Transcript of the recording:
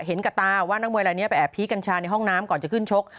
เห็นกับตาว่านักมวยลายนี้ไปแอบพีคกัญชาในห้องน้ำก่อนจะขึ้นชก